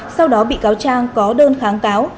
sau đó bị cáo trang có đơn kháng cáo